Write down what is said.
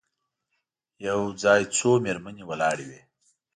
یو ځای څو مېرمنې ولاړې وې.